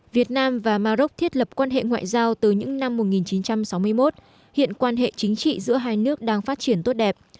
việt nam và maroc thiết lập quan hệ ngoại giao từ những năm một nghìn chín trăm sáu mươi một hiện quan hệ chính trị giữa hai nước đang phát triển tốt đẹp